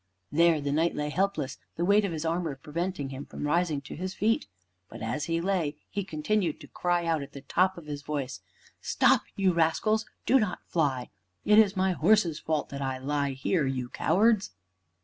There the Knight lay helpless, the weight of his armor preventing him from rising to his feet. But as he lay, he continued to cry out at the top of his voice, "Stop, you rascals! Do not fly. It is my horse's fault that I lie here, you cowards!"